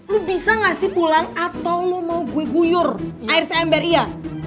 lo bisa gak sih pulang atau lo mau gue guyur air seember iya